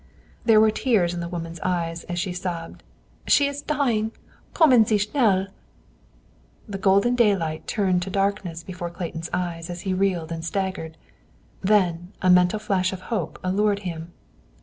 There were tears in the woman's eyes as she sobbed, "She is dying! Kommen sie schnell!" The golden daylight turned to darkness before Clayton's eyes, as he reeled and staggered. Then, a mental flash of hope allured him.